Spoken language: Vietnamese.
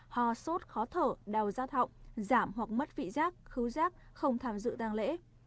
ho sốt khó thở đau da thọng giảm hoặc mất vị giác khứu giác không tham dự tàng lễ